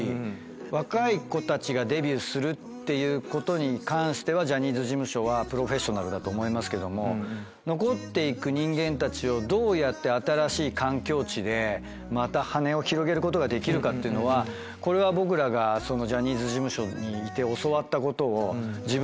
若い子たちがデビューするっていうことに関してはジャニーズ事務所はプロフェッショナルだと思いますけども残って行く人間たちをどうやって新しい環境地でまた羽を広げることができるかっていうのはこれは。だと思うんで。